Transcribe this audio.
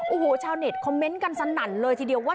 โอ้โหชาวเน็ตคอมเมนต์กันสนั่นเลยทีเดียวว่า